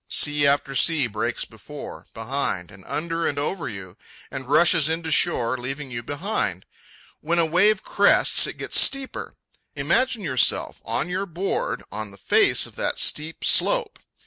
Sea after sea breaks before, behind, and under and over you, and rushes in to shore, leaving you behind. When a wave crests, it gets steeper. Imagine yourself, on your hoard, on the face of that steep slope.